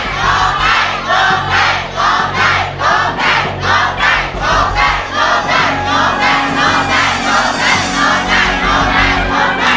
โมเตบโมเตบโมเตบ